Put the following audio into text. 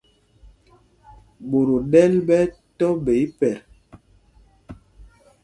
Ɓot o ɗɛ́l ɓɛ́ ɛ́ tɔ̄ ɓɛ̌ ipɛt.